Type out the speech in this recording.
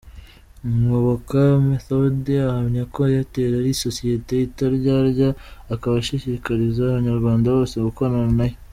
Ngoboka Methode ahamya ko Airtel ari sosiyeti itaryarya, akaba ashishikariza abanyarwanda bose gukorana nayo.